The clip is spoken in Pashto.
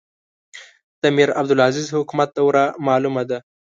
د میرعبدالعزیز حکومت دوره معلومه ده.